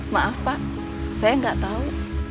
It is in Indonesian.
maaf pak saya nggak tahu